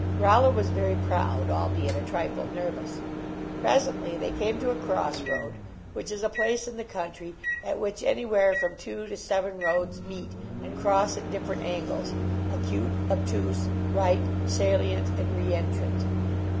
Rollo was very proud, albeit a trifle nervous. Presently they came to a cross road, which is a place in the country at which anywhere from two to seven roads meet and cross at different angles, acute, ob tuse, right, salient and re entrant.